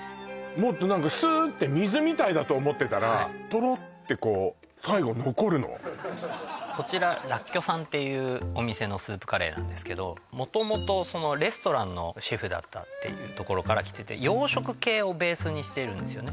もっと何かスッて水みたいだと思ってたらトロッてこう最後残るのこちららっきょさんっていうお店のスープカレーなんですけど元々レストランのシェフだったっていうところからきてて洋食系をベースにしているんですよね